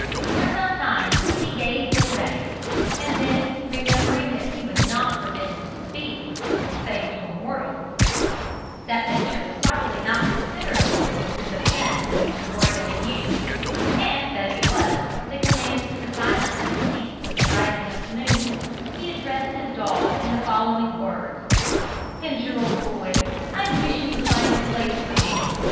For some time he gazed in vain, and then, remembering that he was not forbidden to speak save to a mortal, that Pincher was probably not considered a mortal in the sense in which the word had been used, and that if he was, the command to silence had ceased with the rising of the moon, he addressed his dog in the following words: "Pincher, old boy, I wish you would find the glade for me.